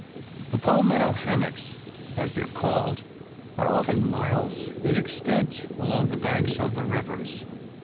The palmetto hammocks, as they are called, are often miles in extent along the banks of the rivers.